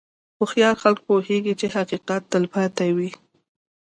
هوښیار خلک پوهېږي چې حقیقت تل پاتې وي.